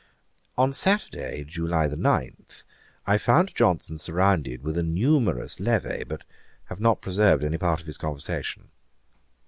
On Saturday, July 9, I found Johnson surrounded with a numerous levee, but have not preserved any part of his conversation.